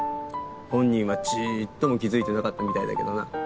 本人はちっとも気付いてなかったみたいだけどな。